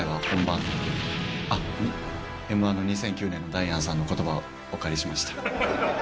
Ｍー１の２００９年のダイアンさんのことばをお借りしました。